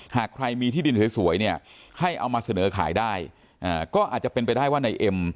หากใครมีที่ดินสวยเนี่ยให้เอามาเสนอขายได้ก็อาจจะเป็นไปได้ว่าในเอ็ม